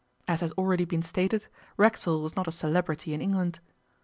As has already been stated, Racksole was not a celebrity in England.